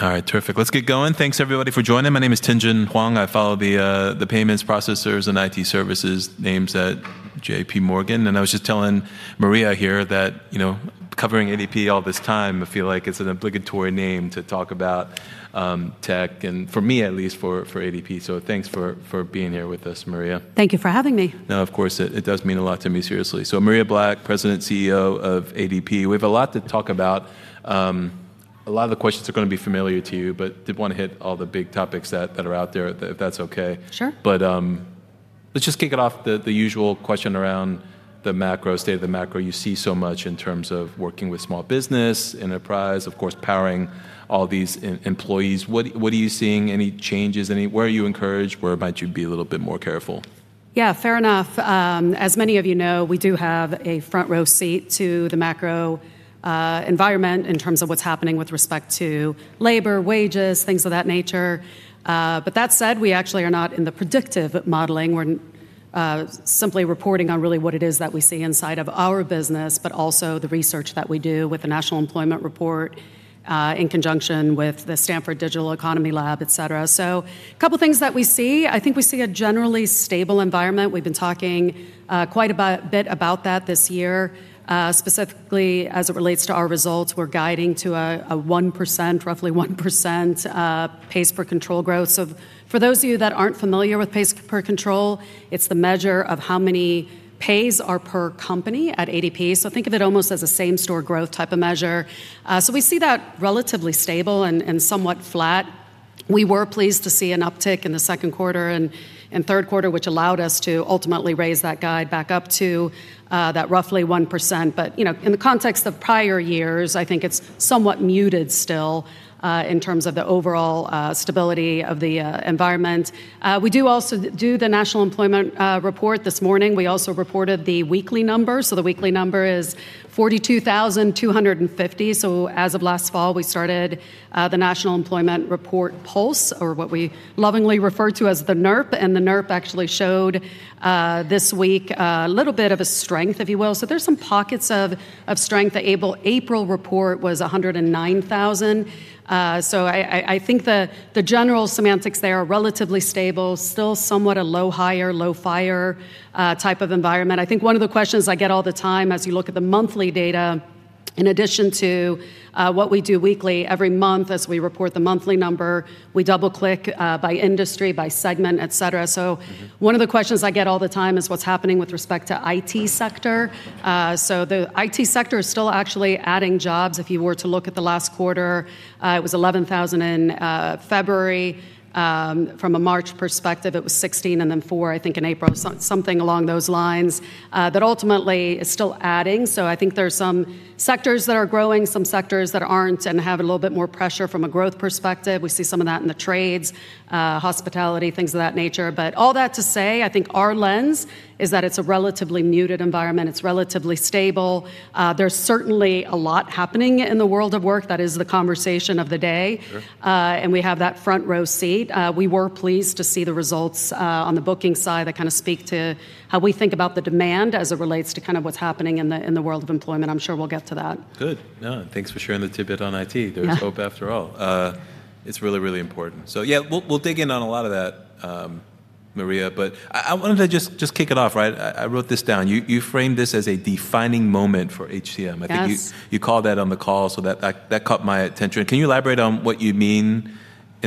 All right, terrific. Let's get going. Thanks everybody for joining. My name is Tien-Tsin Huang. I follow the payments processors and IT services names at JPMorgan, and I was just telling Maria here that, you know, covering ADP all this time, I feel like it's an obligatory name to talk about tech, and for me at least for ADP. Thanks for being here with us, Maria. Thank you for having me. No, of course, it does mean a lot to me, seriously. Maria Black, President, CEO of ADP. We have a lot to talk about. A lot of the questions are gonna be familiar to you, but did wanna hit all the big topics that are out there, if that's okay. Sure. Let's just kick it off the usual question around the macro, state of the macro. You see so much in terms of working with small business, enterprise, of course, powering all these employees. What are you seeing? Any changes, where are you encouraged? Where might you be a little bit more careful? Yeah, fair enough. As many of you know, we do have a front row seat to the macro environment in terms of what's happening with respect to labor, wages, things of that nature. But that said, we actually are not in the predictive modeling. We're simply reporting on really what it is that we see inside of our business, but also the research that we do with the National Employment Report in conjunction with the Stanford Digital Economy Lab, et cetera. Couple things that we see, I think we see a generally stable environment. We've been talking quite a bit about that this year. Specifically as it relates to our results, we're guiding to a 1%, roughly 1%, pays per control growth. For those of you that aren't familiar with pays per control, it's the measure of how many pays are per company at ADP. Think of it almost as a same-store growth type of measure. We see that relatively stable and somewhat flat. We were pleased to see an uptick in the second quarter and third quarter, which allowed us to ultimately raise that guide back up to that roughly 1%. You know, in the context of prior years, I think it's somewhat muted still in terms of the overall stability of the environment. We do also do the National Employment Report this morning. We also reported the weekly numbers, the weekly number is 42,250. As of last fall, we started the National Employment Report Pulse, or what we lovingly refer to as the NERP, and the NERP actually showed this week a little bit of a strength, if you will. There's some pockets of strength. The April report was 109,000. I think the general semantics there are relatively stable, still somewhat a low hire, low fire type of environment. I think one of the questions I get all the time as you look at the monthly data, in addition to what we do weekly, every month as we report the monthly number, we double-click by industry, by segment, et cetera. One of the questions I get all the time is what's happening with respect to IT sector. The IT sector is still actually adding jobs. If you were to look at the last quarter, it was 11,000 in February. From a March perspective, it was 16, and then 4, I think, in April, that ultimately is still adding. I think there's some sectors that are growing, some sectors that aren't and have a little bit more pressure from a growth perspective. We see some of that in the trades, hospitality, things of that nature. All that to say, I think our lens is that it's a relatively muted environment. It's relatively stable. There's certainly a lot happening in the world of work. That is the conversation of the day. Sure. We have that front row seat. We were pleased to see the results on the booking side that kind of speak to how we think about the demand as it relates to kind of what's happening in the world of employment. I'm sure we'll get to that. Good. No, thanks for sharing the tidbit on IT. Yeah. There's hope after all. It's really important. Yeah, we'll dig in on a lot of that, Maria, but I wanted to just kick it off, right? I wrote this down. You framed this as a defining moment for HCM. Yes. I think you called that on the call, that caught my attention. Can you elaborate on what you mean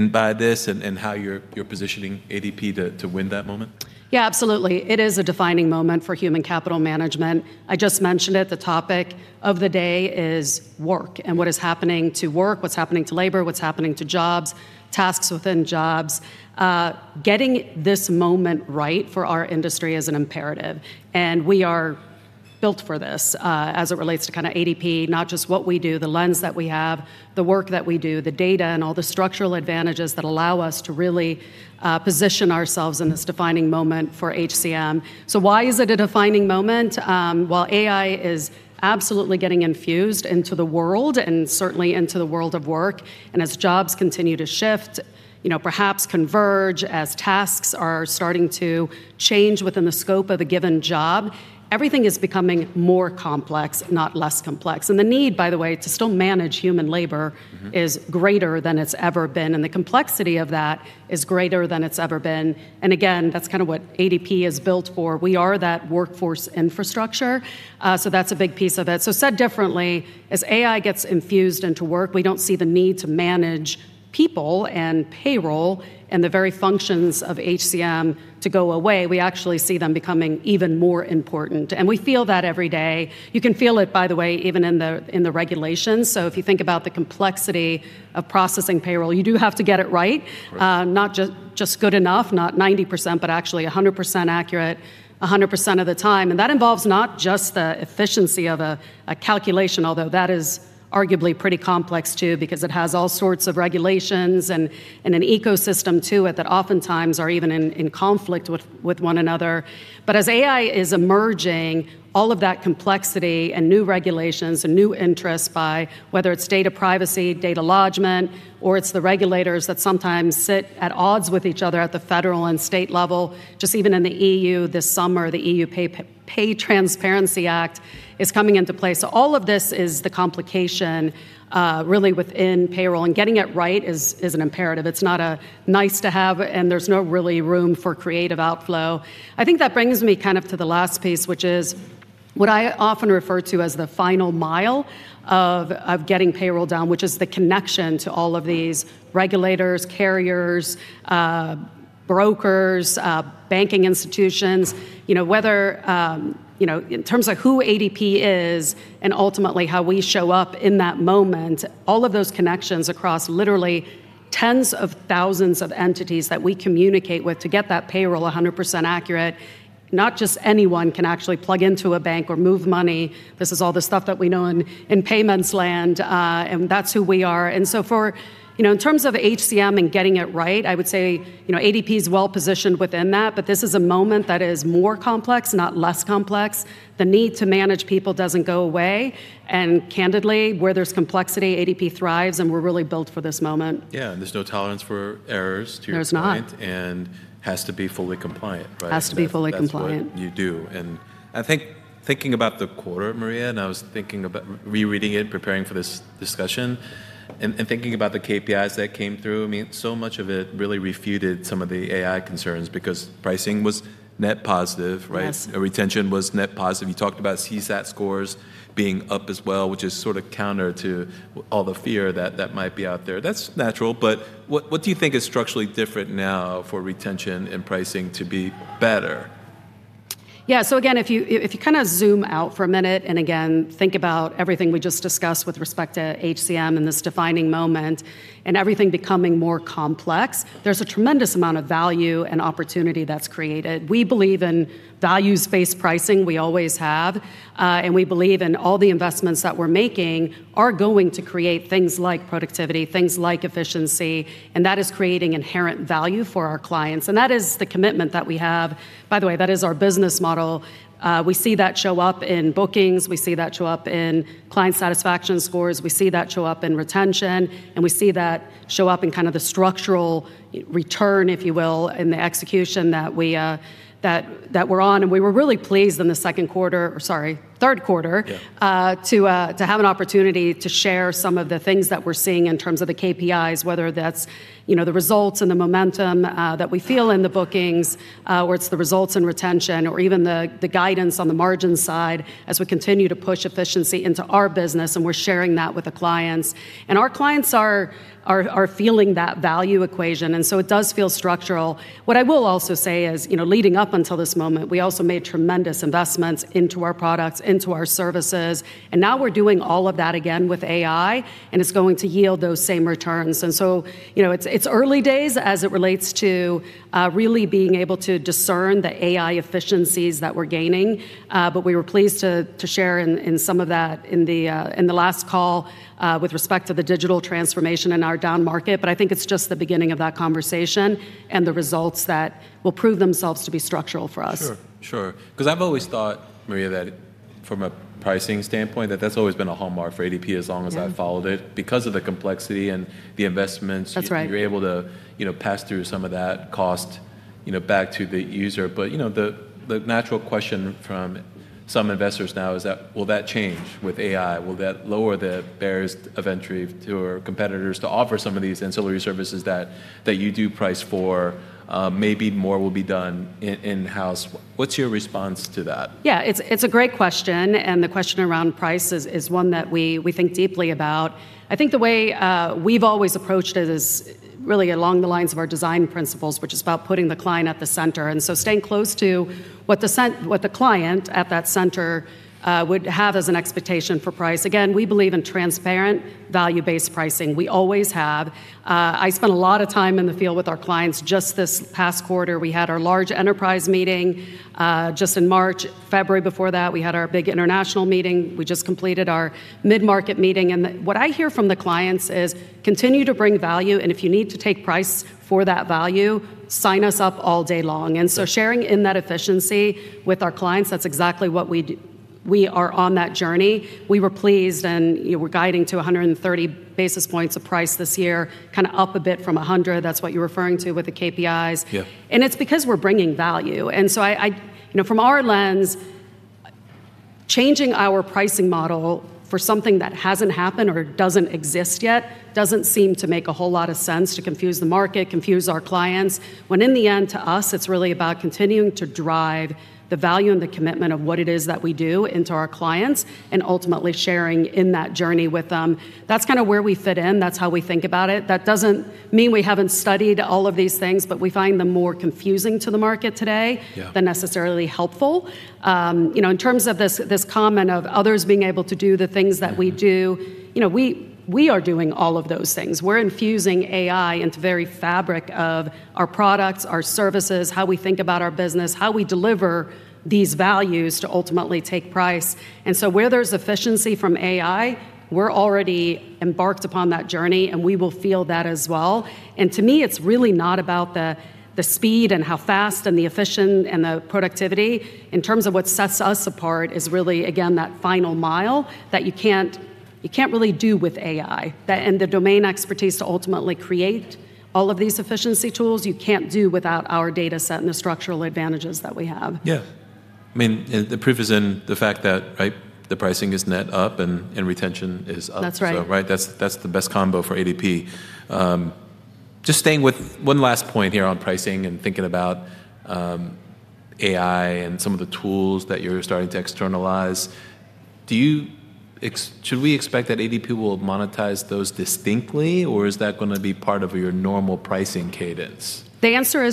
by this and how you're positioning ADP to win that moment? Yeah, absolutely. It is a defining moment for human capital management. I just mentioned it, the topic of the day is work and what is happening to work, what's happening to labor, what's happening to jobs, tasks within jobs. Getting this moment right for our industry is an imperative, and we are built for this, as it relates to kinda ADP, not just what we do, the lens that we have, the work that we do, the data, and all the structural advantages that allow us to really position ourselves in this defining moment for HCM. Why is it a defining moment? While AI is absolutely getting infused into the world, and certainly into the world of work, and as jobs continue to shift, you know, perhaps converge, as tasks are starting to change within the scope of a given job, everything is becoming more complex, not less complex. The need, by the way, to still manage human labor is greater than it's ever been, and the complexity of that is greater than it's ever been. Again, that's kinda what ADP is built for. We are that workforce infrastructure, so that's a big piece of it. Said differently, as AI gets infused into work, we don't see the need to manage people and payroll and the very functions of HCM to go away. We actually see them becoming even more important, and we feel that every day. You can feel it, by the way, even in the, in the regulations. If you think about the complexity of processing payroll, you do have to get it right. Right. Not just good enough, not 90%, but actually 100% accurate 100% of the time. That involves not just the efficiency of a calculation, although that is arguably pretty complex too because it has all sorts of regulations and an ecosystem to it that oftentimes are even in conflict with one another. As AI is emerging, all of that complexity and new regulations and new interests by whether it's data privacy, data lodgement, or it's the regulators that sometimes sit at odds with each other at the federal and state level, just even in the EU this summer, the EU Pay Transparency Directive is coming into play. All of this is the complication really within payroll, and getting it right is an imperative. It's not a nice to have, and there's no really room for creative outflow. I think that brings me kind of to the last piece, which is, what I often refer to as the final mile of getting payroll down, which is the connection to all of these regulators, carriers, brokers, banking institutions. You know, whether, you know, in terms of who ADP is and ultimately how we show up in that moment, all of those connections across literally tens of thousands of entities that we communicate with to get that payroll 100% accurate. Not just anyone can actually plug into a bank or move money. This is all the stuff that we know in payments land. That's who we are. For, you know, in terms of HCM and getting it right, I would say, you know, ADP is well-positioned within that, but this is a moment that is more complex, not less complex. The need to manage people doesn't go away. Candidly, where there's complexity, ADP thrives, and we're really built for this moment. Yeah, and there's no tolerance for errors. There's not. To your point, has to be fully compliant, right? Has to be fully compliant. That's what you do. I think thinking about the quarter, Maria, and I was thinking about rereading it, preparing for this discussion, thinking about the KPIs that came through, I mean, so much of it really refuted some of the AI concerns because pricing was net positive, right? Yes. Retention was net positive. You talked about CSAT scores being up as well, which is sort of counter to all the fear that might be out there. That's natural. What do you think is structurally different now for retention and pricing to be better? Yeah, again, if you kind of zoom out for a minute, and again, think about everything we just discussed with respect to HCM and this defining moment and everything becoming more complex, there's a tremendous amount of value and opportunity that's created. We believe in values-based pricing. We always have. We believe in all the investments that we're making are going to create things like productivity, things like efficiency, and that is creating inherent value for our clients. That is the commitment that we have. By the way, that is our business model. We see that show up in bookings. We see that show up in client satisfaction scores. We see that show up in retention, and we see that show up in kind of the structural return, if you will, in the execution that we're on. We were really pleased in the third quarter. Yeah. To have an opportunity to share some of the things that we're seeing in terms of the KPIs, whether that's, you know, the results and the momentum that we feel in the bookings, or it's the results in retention or even the guidance on the margin side as we continue to push efficiency into our business, and we're sharing that with the clients. Our clients are feeling that value equation, so it does feel structural. What I will also say is, you know, leading up until this moment, we also made tremendous investments into our products, into our services, and now we're doing all of that again with AI, and it's going to yield those same returns. You know, it's early days as it relates to, really being able to discern the AI efficiencies that we're gaining, but we were pleased to share in some of that in the last call, with respect to the digital transformation in our down market. I think it's just the beginning of that conversation and the results that will prove themselves to be structural for us. Sure. Sure. 'Cause I've always thought, Maria, that from a pricing standpoint, that that's always been a hallmark for ADP. Yeah. I've followed it. Because of the complexity and the investments. That's right. You're able to, you know, pass through some of that cost, you know, back to the user. The natural question from some investors now is that will that change with AI? Will that lower the barriers of entry to our competitors to offer some of these ancillary services that you do price for? Maybe more will be done in-house. What's your response to that? Yeah, it's a great question, the question around price is one that we think deeply about. I think the way we've always approached it is really along the lines of our design principles, which is about putting the client at the center. Staying close to what the client at that center would have as an expectation for price. Again, we believe in transparent, value-based pricing. We always have. I spent a lot of time in the field with our clients just this past quarter. We had our large enterprise meeting just in March. February before that, we had our big international meeting. We just completed our mid-market meeting. What I hear from the clients is, "Continue to bring value, and if you need to take price for that value, sign us up all day long. Yeah. Sharing in that efficiency with our clients, that's exactly what we are on that journey. We were pleased, and, you know, we're guiding to 130 basis points of price this year, kind of up a bit from 100. That's what you're referring to with the KPIs. Yeah. It's because we're bringing value. I, you know, from our lens, changing our pricing model for something that hasn't happened or doesn't exist yet doesn't seem to make a whole lot of sense to confuse the market, confuse our clients, when in the end, to us, it's really about continuing to drive the value and the commitment of what it is that we do into our clients and ultimately sharing in that journey with them. That's kind of where we fit in. That's how we think about it. That doesn't mean we haven't studied all of these things, but we find them more confusing to the market today. Yeah. Than necessarily helpful. You know, in terms of this comment of others being able to do the things that we do. Yeah. You know, we are doing all of those things. We're infusing AI into very fabric of our products, our services, how we think about our business, how we deliver these values to ultimately take price. Where there's efficiency from AI, we're already embarked upon that journey, and we will feel that as well. To me, it's really not about the speed and how fast and the efficient and the productivity. In terms of what sets us apart is really, again, that final mile that you can't really do with AI. That and the domain expertise to ultimately create all of these efficiency tools you can't do without our data set and the structural advantages that we have. Yeah. I mean, the proof is in the fact that, right, the pricing is net up and retention is up. That's right. Right, that's the best combo for ADP. Just staying with one last point here on pricing and thinking about AI and some of the tools that you're starting to externalize, should we expect that ADP will monetize those distinctly, or is that gonna be part of your normal pricing cadence? The answer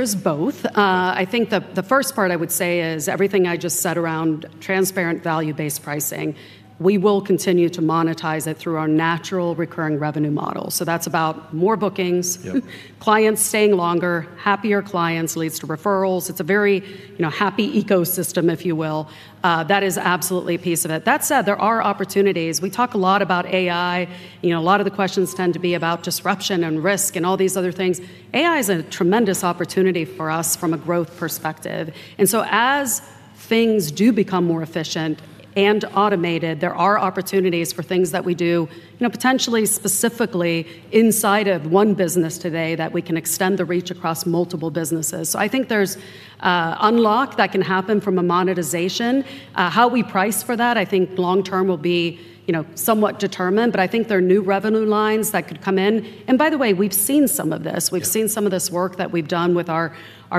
is both. I think the first part I would say is everything I just said around transparent value-based pricing, we will continue to monetize it through our natural recurring revenue model. That's about more bookings. Yeah. Clients staying longer, happier clients leads to referrals. It's a very, you know, happy ecosystem, if you will. That is absolutely a piece of it. That said, there are opportunities. We talk a lot about AI. You know, a lot of the questions tend to be about disruption and risk and all these other things. AI is a tremendous opportunity for us from a growth perspective. As things do become more efficient and automated, there are opportunities for things that we do, you know, potentially specifically inside of one business today that we can extend the reach across multiple businesses. I think there's unlock that can happen from a monetization. How we price for that, I think long term will be, you know, somewhat determined, but I think there are new revenue lines that could come in. By the way, we've seen some of this. Yeah. We've seen some of this work that we've done with our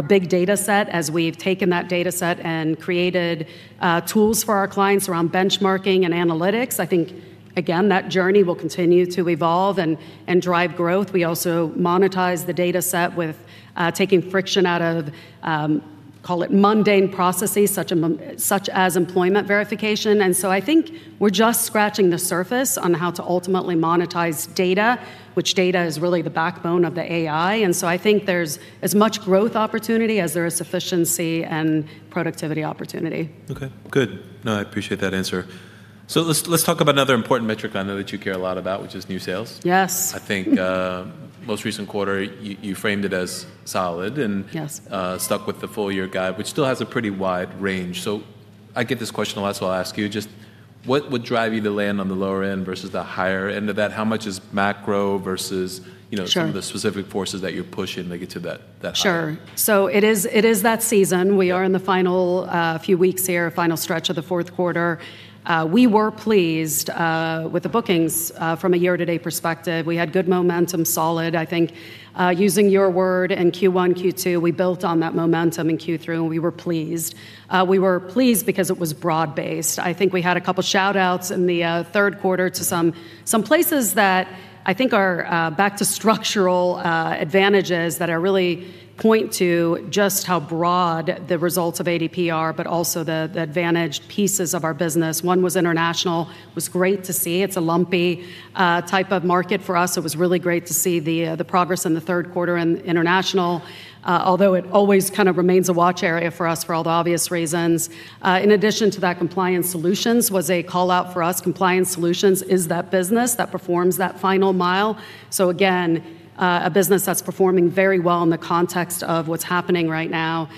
big data set as we've taken that data set and created tools for our clients around benchmarking and analytics. I think, again, that journey will continue to evolve and drive growth. We also monetize the data set with taking friction out of call it mundane processes, such as employment verification. I think we're just scratching the surface on how to ultimately monetize data, which data is really the backbone of the AI. I think there's as much growth opportunity as there is sufficiency and productivity opportunity. Okay. Good. No, I appreciate that answer. Let's talk about another important metric I know that you care a lot about, which is new sales. Yes. I think, most recent quarter, you framed it as solid. Yes. stuck with the full year guide, which still has a pretty wide range. I get this question a lot, so I'll ask you, just what would drive you to land on the lower end versus the higher end of that? How much is macro versus, you know? Sure. Some of the specific forces that you're pushing to get to that high? Sure. It is, it is that season. We are in the final few weeks here, final stretch of the fourth quarter. We were pleased with the bookings from a year-to-date perspective. We had good momentum, solid, I think, using your word, in Q1, Q2. We built on that momentum in Q3, and we were pleased. We were pleased because it was broad-based. I think we had a couple shout-outs in the third quarter to some places that I think are back to structural advantages that are really point to just how broad the results of ADP are, but also the advantaged pieces of our business. One was international. It was great to see. It's a lumpy type of market for us. It was really great to see the progress in the third quarter in international, although it always kind of remains a watch area for us for all the obvious reasons. In addition to that, Compliance Solutions was a call-out for us. Compliance Solutions is that business that performs that final mile. Again, a business that's performing very well in the context of what's happening right now.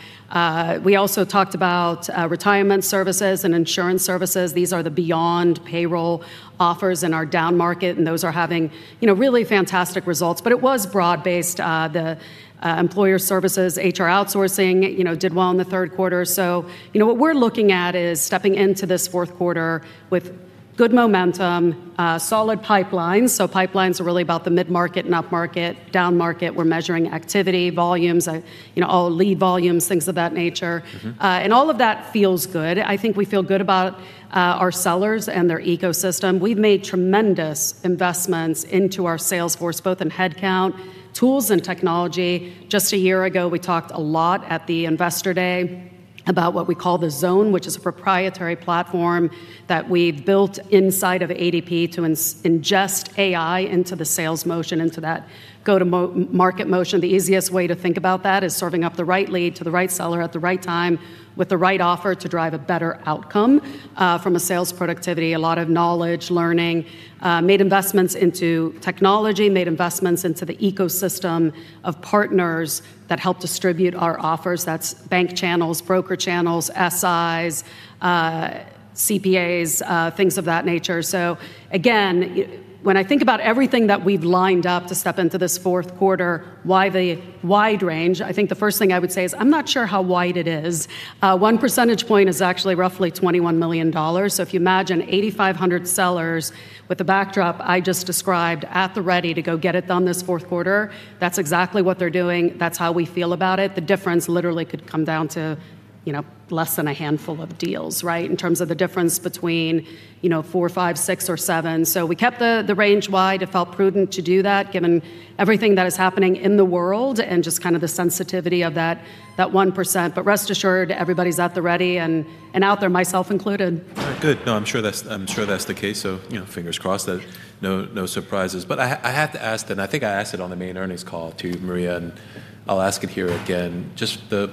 We also talked about Retirement Services and Insurance Services. These are the beyond payroll offers in our down market, and those are having, you know, really fantastic results. It was broad-based. The Employer Services, HR outsourcing, you know, did well in the third quarter. You know, what we're looking at is stepping into this fourth quarter with good momentum, solid pipelines. Pipelines are really about the mid-market and upmarket. Downmarket, we're measuring activity, volumes, you know, all lead volumes, things of that nature. All of that feels good. I think we feel good about our sellers and their ecosystem. We've made tremendous investments into our sales force, both in head count, tools and technology. Just a year ago, we talked a lot at the Investor Day about what we call The Zone, which is a proprietary platform that we've built inside of ADP to ingest AI into the sales motion, into that go-to-market motion. The easiest way to think about that is serving up the right lead to the right seller at the right time with the right offer to drive a better outcome from a sales productivity. A lot of knowledge, learning. Made investments into technology, made investments into the ecosystem of partners that help distribute our offers. That's bank channels, broker channels, SIs, CPAs, things of that nature. Again, when I think about everything that we've lined up to step into this fourth quarter, why the wide range, I think the first thing I would say is I'm not sure how wide it is. 1 percentage point is actually roughly $21 million. If you imagine 8,500 sellers with the backdrop I just described at the ready to go get it done this fourth quarter, that's exactly what they're doing. That's how we feel about it. The difference literally could come down to, you know, less than a handful of deals, right? In terms of the difference between, you know, four, five, six, or seven. We kept the range wide. It felt prudent to do that given everything that is happening in the world and just kind of the sensitivity of that 1%. Rest assured, everybody's at the ready and out there, myself included. All right. Good. No, I'm sure that's the case, so, you know, fingers crossed that no surprises. I have to ask, and I think I asked it on the main earnings call too, Maria, and I'll ask it here again. Just the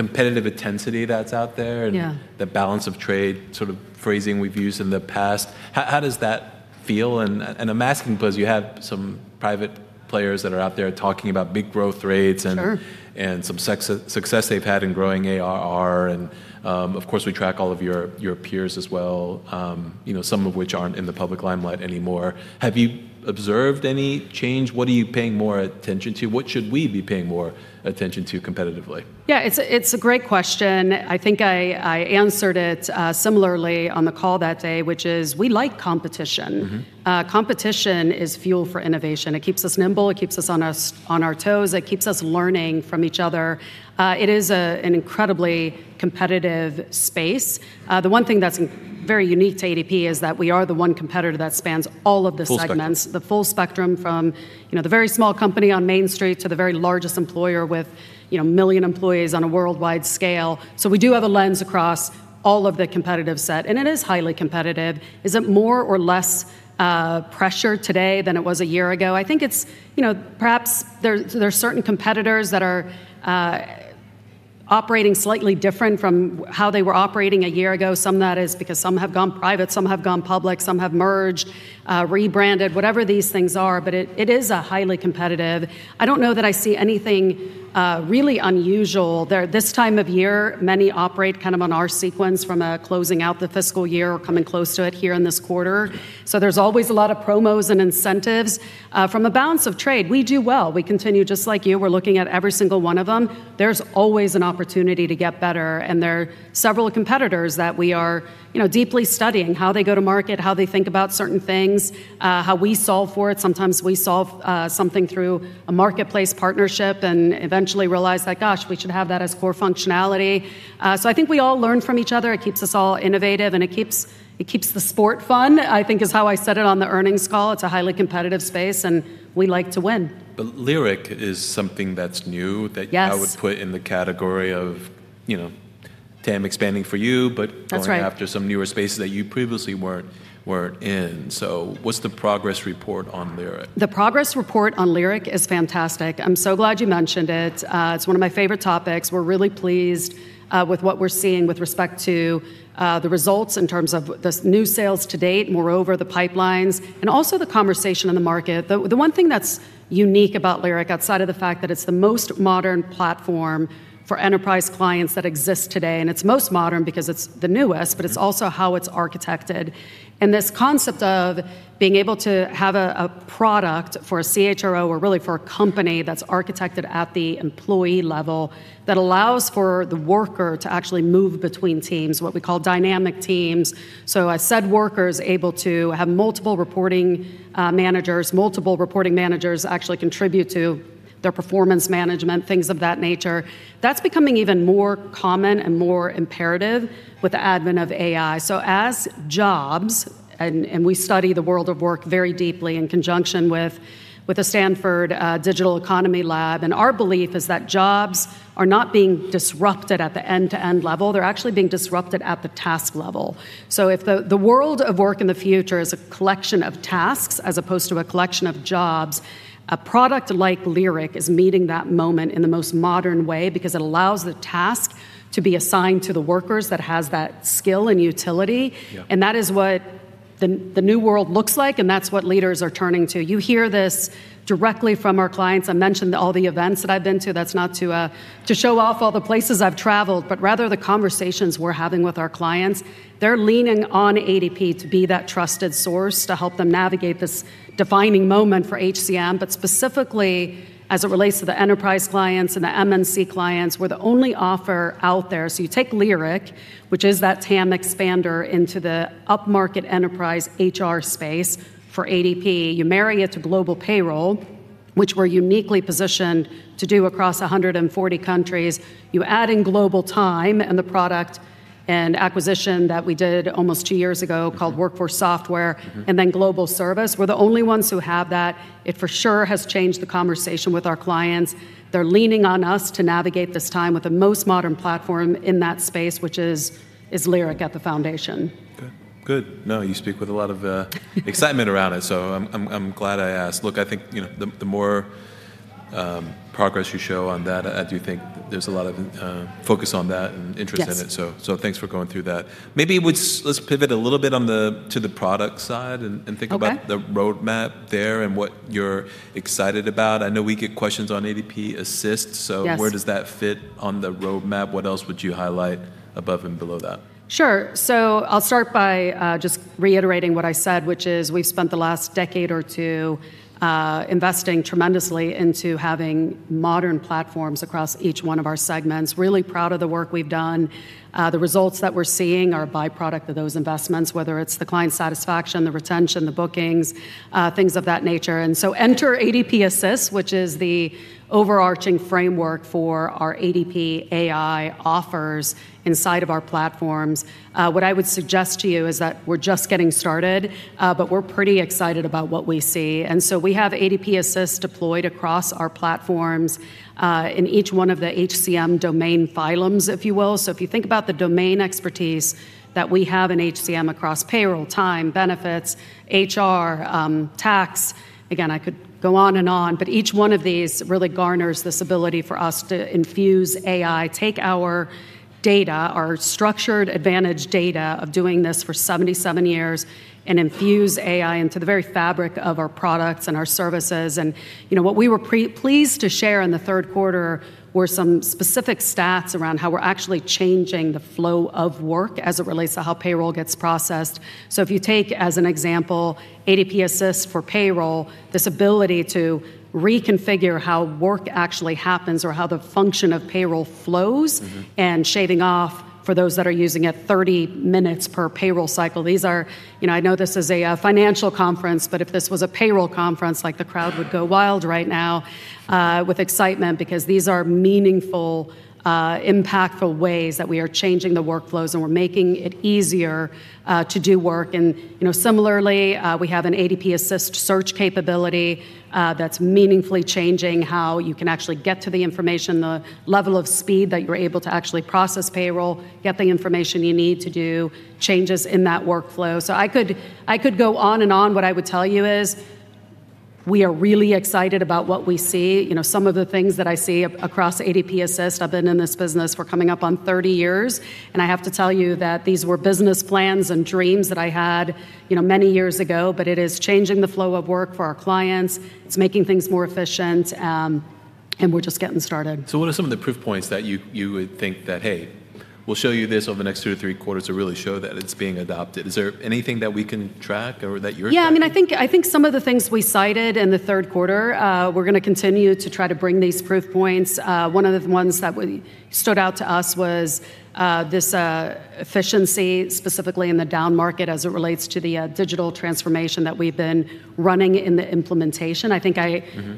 competitive intensity that's out there. Yeah. The balance of trade sort of phrasing we've used in the past. How does that-Feel? I'm asking because you have some private players that are out there talking about big growth rates. Sure. And some success they've had in growing ARR. Of course, we track all of your peers as well, you know, some of which aren't in the public limelight anymore. Have you observed any change? What are you paying more attention to? What should we be paying more attention to competitively? Yeah, it's a great question. I think I answered it similarly on the call that day, which is we like competition. Competition is fuel for innovation. It keeps us nimble, it keeps us on our toes, it keeps us learning from each other. It is an incredibly competitive space. The one thing that's very unique to ADP is that we are the one competitor that spans all of the segments. Full spectrum. The full spectrum from, you know, the very small company on Main Street to the very largest employer with, you know, 1 million employees on a worldwide scale. We do have a lens across all of the competitive set, and it is highly competitive. Is it more or less pressure today than it was a year ago? I think it's, you know, perhaps there's certain competitors that are operating slightly different from how they were operating a year ago. Some that is because some have gone private, some have gone public, some have merged, rebranded, whatever these things are, but it is a highly competitive I don't know that I see anything really unusual there. This time of year, many operate kind of on our sequence from a closing out the fiscal year or coming close to it here in this quarter. There's always a lot of promos and incentives. From a balance of trade, we do well. We continue just like you. We're looking at every single one of them. There's always an opportunity to get better, and there are several competitors that we are, you know, deeply studying how they go to market, how they think about certain things, how we solve for it. Sometimes we solve something through a marketplace partnership and eventually realize that, gosh, we should have that as core functionality. I think we all learn from each other. It keeps us all innovative, and it keeps the sport fun, I think is how I said it on the earnings call. It's a highly competitive space, and we like to win. Lyric is something that's new. Yes. I would put in the category of, you know, TAM expanding for you. That's right. Going after some newer spaces that you previously weren't in. What's the progress report on Lyric? The progress report on Lyric is fantastic. I'm so glad you mentioned it. It's one of my favorite topics. We're really pleased with what we're seeing with respect to the results in terms of the new sales to date, moreover the pipelines, and also the conversation on the market. The one thing that's unique about Lyric, outside of the fact that it's the most modern platform for enterprise clients that exist today, and it's most modern because it's the newest, but it's also how it's architected. This concept of being able to have a product for a CHRO or really for a company that's architected at the employee level that allows for the worker to actually move between teams, what we call dynamic teams. A said worker is able to have multiple reporting managers. Multiple reporting managers actually contribute to their performance management, things of that nature. That's becoming even more common and more imperative with the advent of AI. As jobs, and we study the world of work very deeply in conjunction with the Stanford Digital Economy Lab, and our belief is that jobs are not being disrupted at the end-to-end level. They're actually being disrupted at the task level. If the world of work in the future is a collection of tasks as opposed to a collection of jobs, a product like Lyric is meeting that moment in the most modern way because it allows the task to be assigned to the workers that has that skill and utility. Yeah. That is what the new world looks like, and that's what leaders are turning to. You hear this directly from our clients. I mentioned all the events that I've been to. That's not to to show off all the places I've traveled, but rather the conversations we're having with our clients. They're leaning on ADP to be that trusted source to help them navigate this defining moment for HCM. Specifically, as it relates to the enterprise clients and the MNC clients, we're the only offer out there. You take Lyric, which is that TAM expander into the upmarket enterprise HR space for ADP. You marry it to Global Payroll, which we're uniquely positioned to do across 140 countries. You add in Global Time and the product and acquisition that we did almost two years ago called WorkForce Software- Global Service. We're the only ones who have that. It for sure has changed the conversation with our clients. They're leaning on us to navigate this time with the most modern platform in that space, which is Lyric at the foundation. Good. Good. No, you speak with a lot of excitement around it, so I'm glad I asked. Look, I think, you know, the more progress you show on that, I do think there's a lot of focus on that and interest in it. Yes. Thanks for going through that. Maybe let's pivot a little bit to the product side and think about. Okay. The roadmap there and what you're excited about. I know we get questions on ADP Assist. Yes. Where does that fit on the roadmap? What else would you highlight above and below that? Sure. I'll start by just reiterating what I said, which is we've spent the last decade or two investing tremendously into having modern platforms across each one of our segments. Really proud of the work we've done. The results that we're seeing are a byproduct of those investments, whether it's the client satisfaction, the retention, the bookings, things of that nature. Enter ADP Assist, which is the overarching framework for our ADP AI offers inside of our platforms. What I would suggest to you is that we're just getting started, but we're pretty excited about what we see. We have ADP Assist deployed across our platforms in each one of the HCM domain pillars, if you will. If you think about the domain expertise that we have in HCM across payroll, time, benefits, HR, tax, again, I could go on and on, but each one of these really garners this ability for us to infuse AI, take our data, our structured advantage data of doing this for 77 years, and infuse AI into the very fabric of our products and our services. You know, what we were pre-pleased to share in the third quarter were some specific stats around how we're actually changing the flow of work as it relates to how payroll gets processed. If you take as an example, ADP Assist for payroll, this ability to reconfigure how work actually happens or how the function of payroll flows. Shaving off for those that are using it 30 minutes per payroll cycle. These are you know, I know this is a financial conference, but if this was a payroll conference, like, the crowd would go wild right now with excitement because these are meaningful, impactful ways that we are changing the workflows, and we're making it easier to do work. You know, similarly, we have an ADP Assist search capability that's meaningfully changing how you can actually get to the information, the level of speed that you're able to actually process payroll, get the information you need to do changes in that workflow. I could go on and on. What I would tell you is we are really excited about what we see. You know, some of the things that I see across ADP Assist, I've been in this business for coming up on 30 years, I have to tell you that these were business plans and dreams that I had, you know, many years ago, it is changing the flow of work for our clients. It's making things more efficient, we're just getting started. What are some of the proof points that you would think that, "Hey, we'll show you this over the next two to three quarters to really show that it's being adopted"? Is there anything that we can track or that you're tracking? Yeah, I mean, I think some of the things we cited in the third quarter, we're gonna continue to try to bring these proof points. One of the ones that stood out to us was this efficiency specifically in the down market as it relates to the digital transformation that we've been running in the implementation. I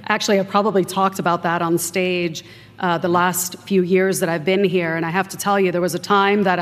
actually have probably talked about that on stage, the last few years that I've been here. I have to tell you, there was a time that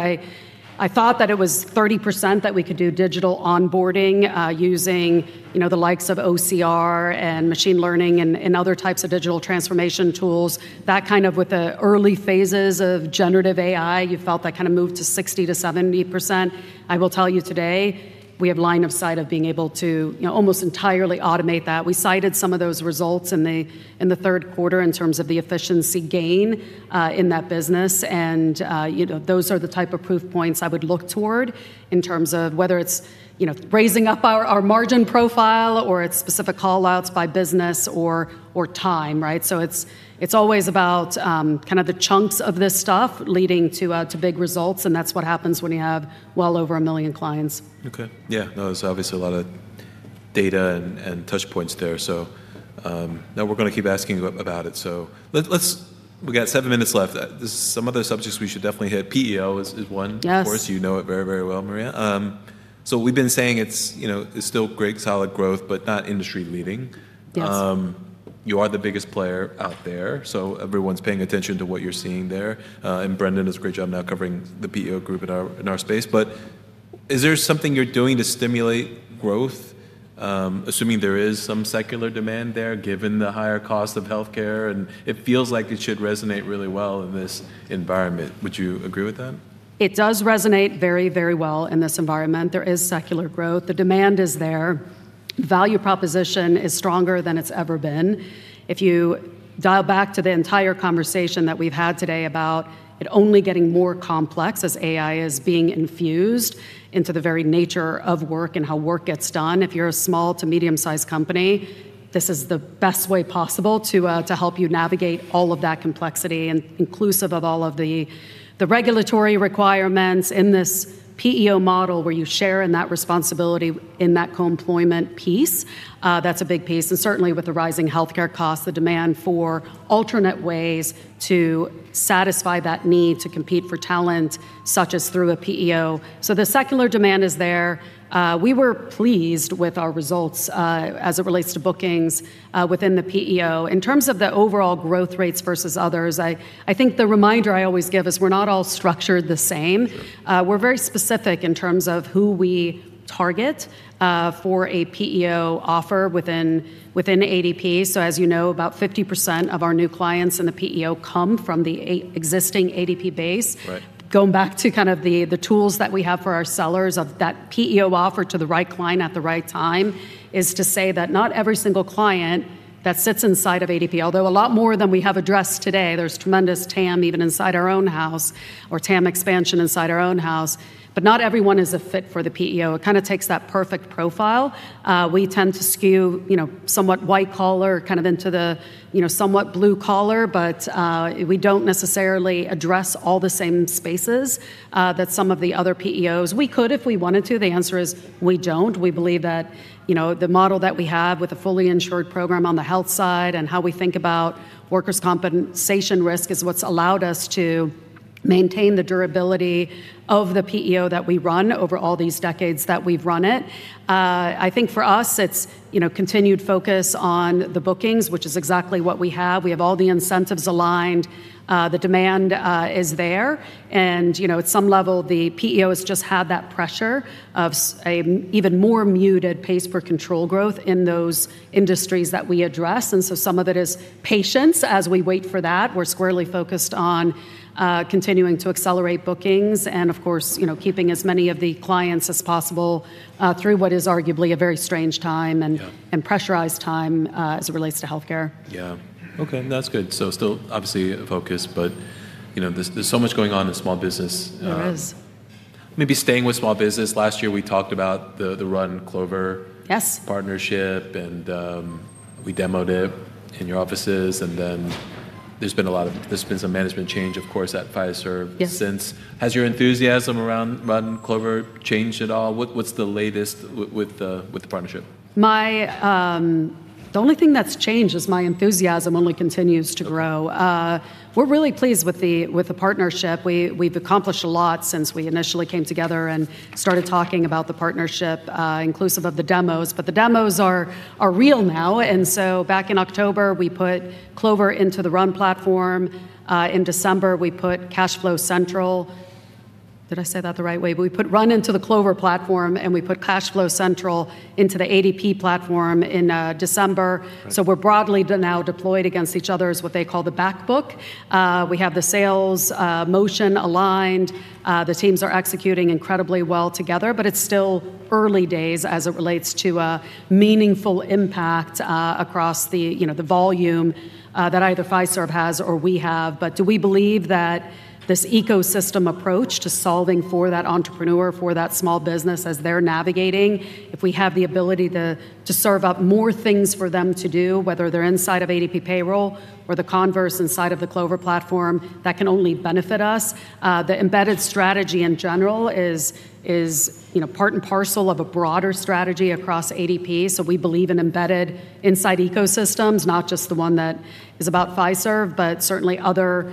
I thought that it was 30% that we could do digital onboarding, using, you know, the likes of OCR and machine learning and other types of digital transformation tools. That kind of with the early phases of generative AI, you felt that kind of moved to 60%-70%. I will tell you today, we have line of sight of being able to, you know, almost entirely automate that. We cited some of those results in the third quarter in terms of the efficiency gain in that business. You know, those are the type of proof points I would look toward in terms of whether it's, you know, raising up our margin profile or it's specific call-outs by business or time, right? It's, it's always about, kind of the chunks of this stuff leading to big results, and that's what happens when you have well over 1 million clients. Okay. Yeah. No, there's obviously a lot of data and touch points there. No, we're gonna keep asking about it. Let's, we got seven minutes left. There's some other subjects we should definitely hit. PEO is one. Yes. Of course, you know it very, very well, Maria. We've been saying it's, you know, it's still great solid growth, but not industry leading. Yes. You are the biggest player out there, so everyone's paying attention to what you're seeing there. Brendan does a great job now covering the PEO group in our, in our space. Is there something you're doing to stimulate growth? Assuming there is some secular demand there, given the higher cost of healthcare, and it feels like it should resonate really well in this environment. Would you agree with that? It does resonate very, very well in this environment. There is secular growth. The demand is there. Value proposition is stronger than it's ever been. If you dial back to the entire conversation that we've had today about it only getting more complex as AI is being infused into the very nature of work and how work gets done, if you're a small to medium-sized company, this is the best way possible to to help you navigate all of that complexity and inclusive of all of the regulatory requirements in this PEO model where you share in that responsibility in that co-employment piece. That's a big piece. Certainly, with the rising healthcare costs, the demand for alternate ways to satisfy that need to compete for talent, such as through a PEO. The secular demand is there. We were pleased with our results as it relates to bookings within the PEO. In terms of the overall growth rates versus others, I think the reminder I always give is we're not all structured the same. Sure. We're very specific in terms of who we target, for a PEO offer within ADP. As you know, about 50% of our new clients in the PEO come from the existing ADP base. Right. Going back to kind of the tools that we have for our sellers of that PEO offer to the right client at the right time is to say that not every single client that sits inside of ADP, although a lot more than we have addressed today, there's tremendous TAM even inside our own house or TAM expansion inside our own house, but not everyone is a fit for the PEO. It kind of takes that perfect profile. We tend to skew, you know, somewhat white collar kind of into the, you know, somewhat blue collar, but we don't necessarily address all the same spaces that some of the other PEOs. We could if we wanted to. The answer is we don't. We believe that, you know, the model that we have with a fully insured program on the health side and how we think about workers' compensation risk is what's allowed us to maintain the durability of the PEO that we run over all these decades that we've run it. I think for us it's, you know, continued focus on the bookings, which is exactly what we have. We have all the incentives aligned. The demand is there. You know, at some level, the PEOs just have that pressure of even more muted pays per control growth in those industries that we address. Some of it is patience as we wait for that. We're squarely focused on, continuing to accelerate bookings and of course, you know, keeping as many of the clients as possible, through what is arguably a very strange time. Yeah. Pressurized time, as it relates to healthcare. Yeah. Okay, that's good. Still obviously a focus, but, you know, there's so much going on in small business. There is. Maybe staying with small business, last year we talked about the RUN/Clover Yes. Partnership and, we demoed it in your offices. There's been some management change, of course, at Fiserv. Yeah. Since. Has your enthusiasm around RUN/Clover changed at all? What's the latest with the partnership? My, the only thing that's changed is my enthusiasm only continues to grow. We're really pleased with the partnership. We've accomplished a lot since we initially came together and started talking about the partnership, inclusive of the demos. The demos are real now. Back in October, we put Clover into the RUN platform. In December we put CashFlow Central. Did I say that the right way? We put RUN into the Clover platform, and we put CashFlow Central into the ADP platform in December. Right. We're broadly now deployed against each other as what they call the back book. We have the sales motion aligned. The teams are executing incredibly well together. It's still early days as it relates to a meaningful impact across the, you know, the volume that either Fiserv has or we have. Do we believe that this ecosystem approach to solving for that entrepreneur, for that small business as they're navigating, if we have the ability to serve up more things for them to do, whether they're inside of ADP payroll or the converse inside of the Clover platform, that can only benefit us. The embedded strategy in general is, you know, part and parcel of a broader strategy across ADP. We believe in embedded inside ecosystems, not just the one that is about Fiserv, but certainly other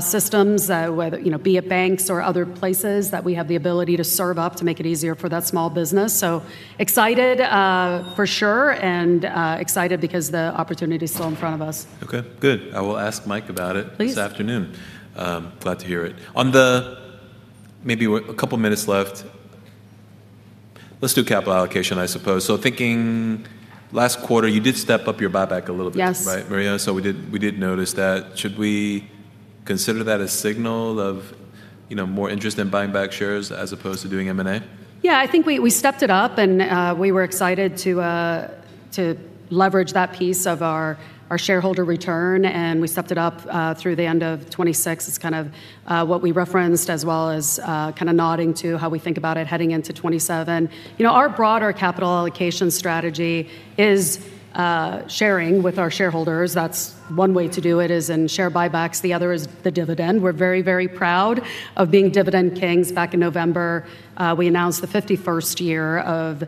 systems, whether, you know, be it banks or other places that we have the ability to serve up to make it easier for that small business. Excited, for sure, and excited because the opportunity's still in front of us. Okay. Good. I will ask Mike about it. Please. This afternoon. I'm glad to hear it. On the maybe a couple minutes left. Let's do capital allocation, I suppose. Thinking last quarter, you did step up your buyback a little bit. Yes. Right, Maria? We did notice that. Should we consider that a signal of, you know, more interest in buying back shares as opposed to doing M&A? I think we stepped it up and we were excited to leverage that piece of our shareholder return, and we stepped it up through the end of 2026. It's kind of what we referenced as well as kind of nodding to how we think about it heading into 2027. You know, our broader capital allocation strategy is sharing with our shareholders. That's one way to do it, is in share buybacks. The other is the dividend. We're very proud of being Dividend Kings. Back in November, we announced the 51st year of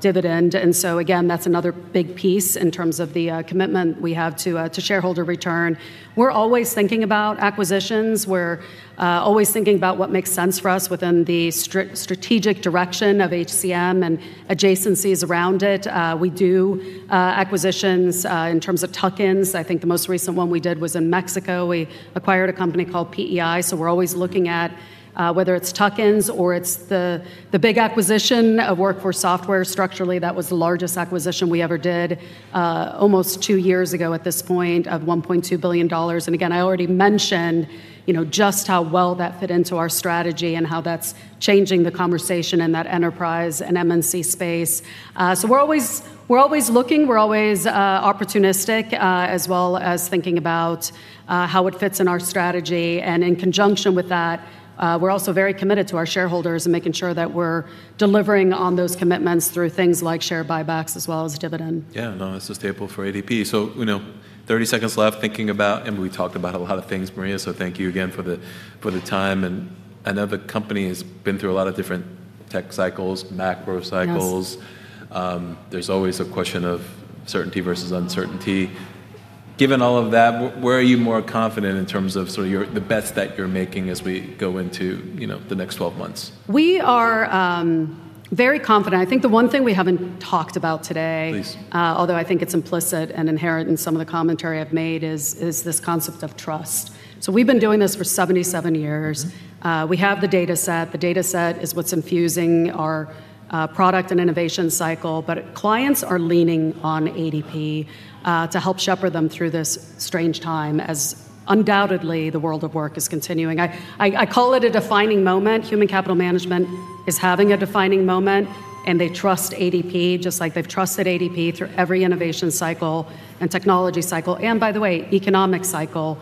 dividend. Again, that's another big piece in terms of the commitment we have to shareholder return. We're always thinking about acquisitions. We're always thinking about what makes sense for us within the strategic direction of HCM and adjacencies around it. We do acquisitions in terms of tuck-ins. I think the most recent one we did was in Mexico. We acquired a company called PEI. We're always looking at whether it's tuck-ins or it's the big acquisition of WorkForce Software. Structurally, that was the largest acquisition we ever did, almost two years ago at this point of $1.2 billion. Again, I already mentioned, you know, just how well that fit into our strategy and how that's changing the conversation in that enterprise and MNC space. We're always looking, we're always opportunistic, as well as thinking about how it fits in our strategy. In conjunction with that, we're also very committed to our shareholders and making sure that we're delivering on those commitments through things like share buybacks as well as dividend. Yeah, no, that's the staple for ADP. you know, 30 seconds left, thinking about and we talked about a lot of things, Maria, so thank you again for the time. I know the company has been through a lot of different tech cycles, macro cycles. Yes. There's always a question of certainty versus uncertainty. Given all of that, where are you more confident in terms of sort of your, the bets that you're making as we go into, you know, the next 12 months? We are very confident. Please. Although I think it's implicit and inherent in some of the commentary I've made, is this concept of trust. We've been doing this for 77 years. We have the data set. The data set is what's infusing our product and innovation cycle, but clients are leaning on ADP to help shepherd them through this strange time as undoubtedly the world of work is continuing. I call it a defining moment. Human capital management is having a defining moment, and they trust ADP just like they've trusted ADP through every innovation cycle and technology cycle, and by the way, economic cycle,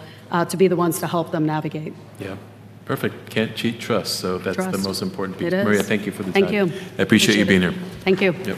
to be the ones to help them navigate. Yeah. Perfect. Can't cheat trust. Trust. The most important piece. It is. Maria, thank you for the time. Thank you. I appreciate you being here. Appreciate it. Thank you.